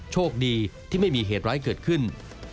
โชคดีที่ไม่มีเหตุร้ายเกิดขึ้น